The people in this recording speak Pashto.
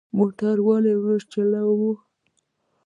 موټر ولې ورو چلوو؟